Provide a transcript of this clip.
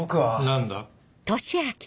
何だ？